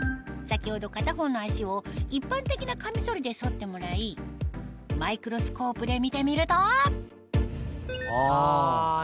先ほど片方の脚を一般的なカミソリで剃ってもらいマイクロスコープで見てみるとあ。